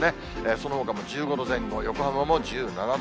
そのほかも１５度前後、横浜も１７度。